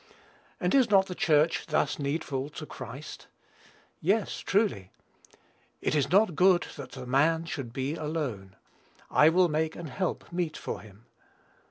And is not the Church thus needful to Christ? Yes, truly. "It is not good that the man should be alone; I will make him an help meet for him."